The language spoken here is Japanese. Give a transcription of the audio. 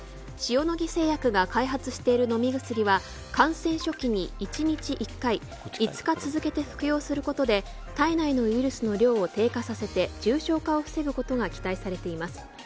塩野義製薬が開発している飲み薬は、感染初期に１日１回５日続けて服用することで体内のウイルスの量を低下させて重症化を防ぐことが期待されています。